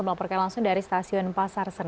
melaporkan langsung dari stasiun pasar senen